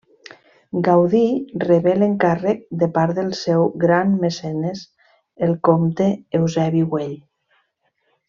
Gaudí rebé l'encàrrec de part del seu gran mecenes, el comte Eusebi Güell.